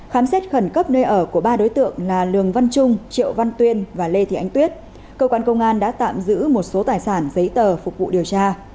khám xét khẩn cấp nơi ở của ba đối tượng là lường văn trung triệu văn tuyên và lê thị ánh tuyết cơ quan công an đã tạm giữ một số tài sản giấy tờ phục vụ điều tra